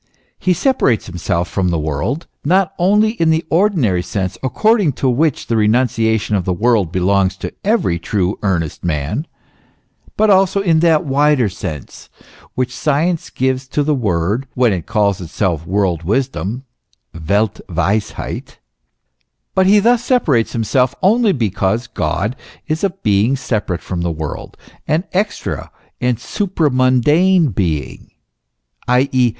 He separates himself from the world, not only in the ordinary sense, according to which the renunciation of the world belongs to every true, earnest man, but also in that wider sense which science gives to the word, when it calls itself world wisdom (welt weisheit) ; but he thus separates himself, only because God is a Being separate from the world, an extra and supramundane Being, i. e.